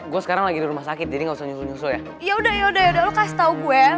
gue sekarang lagi di rumah sakit jadi gak usah nyusul nyusul ya yaudah yaudah lu kasih tau gue